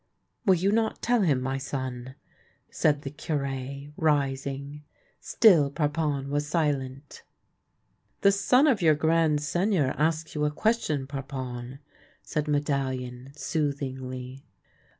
"Will you not tell him, my son?" said the Cure, rising. Still Parpon was silent. " The son of your grand Seigneur asks you a ques tion, Parpon," said Medallion soothingly.